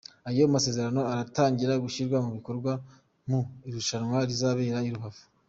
Ayo masezerano aratangira gushyirwa mu bikorwa mu irushanwa rizabera i Rubavu.